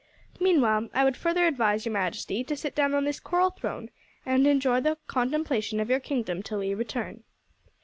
Meanwhile, I would further advise your Majesty to sit down on this coral throne, and enjoy the contemplation of your kingdom till we return."